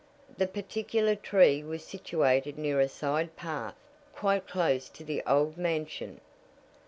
The particular tree was situated near a side path, quite close to the old mansion.